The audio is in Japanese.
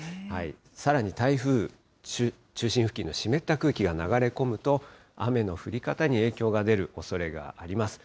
さらに台風中心付近の湿った空気が流れ込むと、雨の降り方に影響が出るおそれがあります。